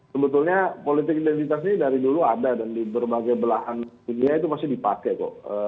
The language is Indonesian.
sebetulnya politik identitas ini dari dulu ada dan di berbagai belahan dunia itu masih dipakai kok